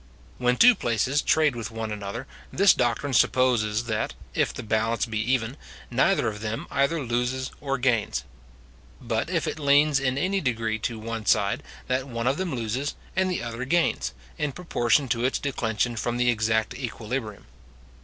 When two places trade with one another, this doctrine supposes that, if the balance be even, neither of them either loses or gains; but if it leans in any degree to one side, that one of them loses, and the other gains, in proportion to its declension from the exact equilibrium.